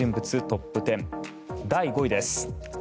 トップ１０第５位です。